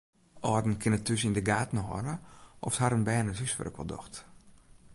Alden kinne thús yn de gaten hâlde oft harren bern it húswurk wol docht.